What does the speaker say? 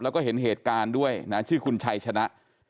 แล้วก็เห็นเหตุการณ์ด้วยนะชื่อคุณชัยชนะ